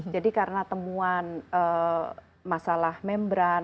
jadi karena temuan masalah membran